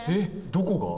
どこが？